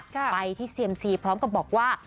ไปที่เซียมซีพร้อมกับบอกว่า